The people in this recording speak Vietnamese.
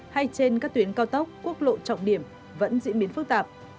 hay trên các tuyến cao tốc quốc lộ trọng điểm vẫn diễn biến phức tạp